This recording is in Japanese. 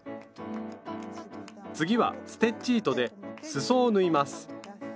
次はステッチ糸ですそを縫います。